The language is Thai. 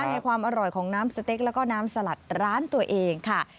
ในความอร่อยของน้ำสเต็กแล้วก็น้ำสลัดร้านตัวเองค่ะ